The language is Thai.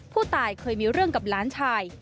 ผู้ตายเคยมีเรื่องกับหลานชาย